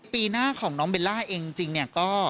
ปีหน้าของน้องเบลล่าเองจริงเนี่ยก็